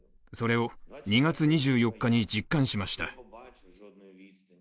それを２月２４日に実感しました。